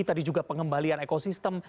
tadi juga pengembalian ekosistem